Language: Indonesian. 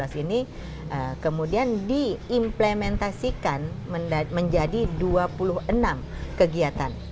dua ribu sembilan belas ini kemudian diimplementasikan menjadi dua puluh enam kegiatan